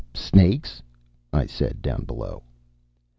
"Snakes?" I said down below.